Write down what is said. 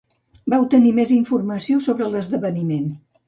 Vau tenir més informació sobre l'esdeveniment.